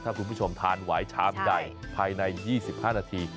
ถ้าคุณผู้ชมทานไว้ท้ามใดภายใน๒๕นาที